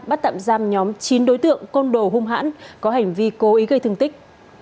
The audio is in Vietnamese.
bắt tạm giam nhóm chín đối tượng côn đồ hung hãn có hành vi cố ý gây thương tích